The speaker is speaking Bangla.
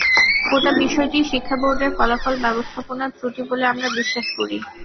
গোটা বিষয়টিই শিক্ষা বোর্ডের ফলাফল ব্যবস্থাপনার ত্রুটি বলে আমরা বিশ্বাস করি।